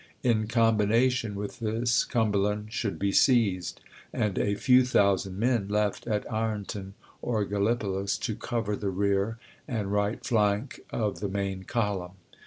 In com bination with this Cumberland should be seized, and a few thousand men left at Ironton or Gallipolis to cover the rear and right flank of the main column.